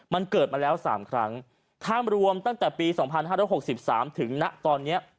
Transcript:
มันเกิดมาแล้วสามครั้งถ้ารวมตั้งแต่ปีสองพันห้ารกหกสิบสามถึงนะตอนเนี้ย